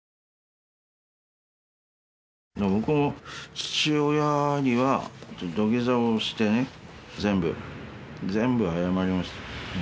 僕も父親には土下座をしてね全部全部謝りました。